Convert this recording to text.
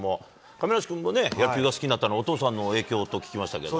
亀梨君もね、野球が好きになったのはお父さんの影響と聞きましたけど。